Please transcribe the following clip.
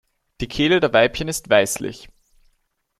Die Kehle der Weibchen ist weißlich.